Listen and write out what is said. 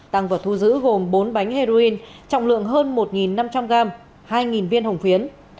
tăng vật thu giữ gồm bốn bánh heroin trọng lượng hơn một năm trăm linh gram hai viên hồng phiến